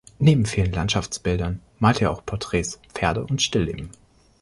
Neben vielen Landschaftsbildern malte er auch Porträts, Pferde und Stillleben.